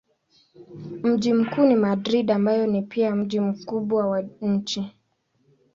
Mji mkuu ni Madrid ambayo ni pia mji mkubwa wa nchi.